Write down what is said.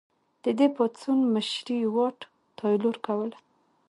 د دې پاڅون مشري واټ تایلور کوله.